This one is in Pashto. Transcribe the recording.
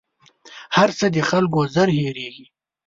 هر څه د خلکو ژر هېرېـږي